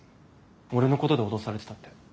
俺のことで脅されてたって。